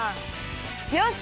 よし！